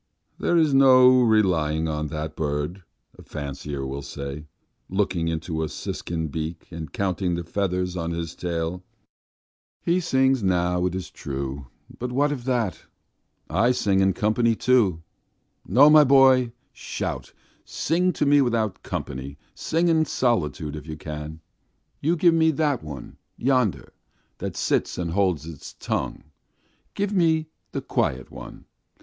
"There is no relying on that bird," a fancier will say, looking into a siskin's beak, and counting the feathers on its tail. "He sings now, it's true, but what of that? I sing in company too. No, my boy, shout, sing to me without company; sing in solitude, if you can. ... You give me that one yonder that sits and holds its tongue! Give me the quiet one!